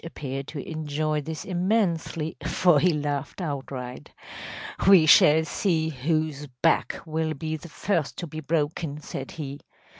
‚ÄĚ Simeonovitch appeared to enjoy this immensely, for he laughed outright. “We shall see whose back will be the first to be broken,‚ÄĚ said he.